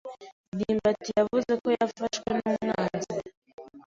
ndimbati yavuze ko yafashwe n'umwanzi.